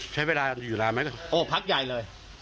ใช้เวลาอยู่นานไหมโอ้พักใหญ่เลย